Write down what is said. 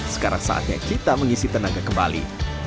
sekarang saatnya kita mengisi tenaga kembali